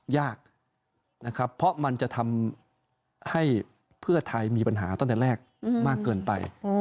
ยากนะครับเพราะมันจะทำให้เพื่อไทยมีปัญหาตั้งแต่แรกมากเกินไป